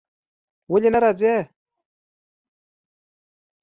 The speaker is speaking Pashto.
ولی نه راځی ؟